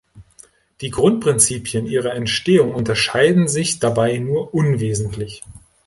Die Grundprinzipien ihrer Entstehung unterscheiden sich dabei nur unwesentlich.